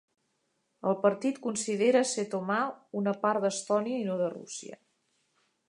El partit considera Setomaa una part d'Estònia i no de Rússia.